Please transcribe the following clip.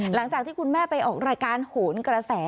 หลังจากที่คุณแม่ไปออกรายการโหนกระแส